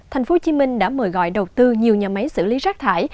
tp hcm đã mời gọi đầu tư nhiều nhà máy xử lý rác thải